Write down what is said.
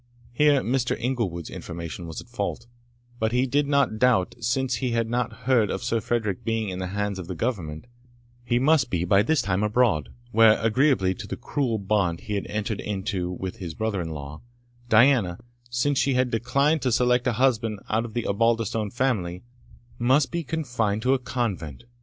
Here Mr. Inglewood's information was at fault; but he did not doubt, since we had not heard of Sir Frederick being in the hands of the Government, he must be by this time abroad, where, agreeably to the cruel bond he had entered into with his brother in law, Diana, since she had declined to select a husband out of the Osbaldistone family, must be confined to a convent.